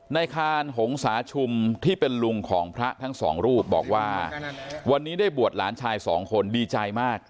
คานหงษาชุมที่เป็นลุงของพระทั้งสองรูปบอกว่าวันนี้ได้บวชหลานชายสองคนดีใจมาก